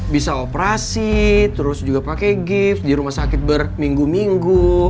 bisa operasi terus juga pakai gift di rumah sakit berminggu minggu